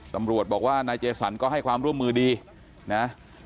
ตำรวจบอกว่านายเจสันก็ให้ความร่วมมือดีนะ